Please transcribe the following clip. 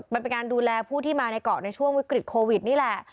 มันเป็นการดูแลผู้ที่มาในเกาะในช่วงวิกฤตโควิดนี่แหละ